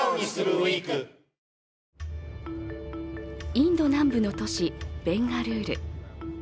インド南部の都市ベンガルール。